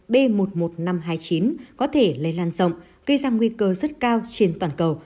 b một mươi một nghìn năm trăm hai mươi chín có thể lây lan rộng gây ra nguy cơ rất cao trên toàn cầu